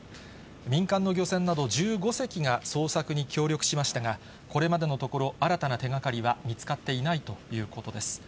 民間の漁船など１５隻が捜索に協力しましたが、これまでのところ、新たな手がかりは見つかっていないということです。